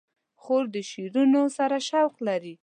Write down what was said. خور د شعرونو سره شوق لري.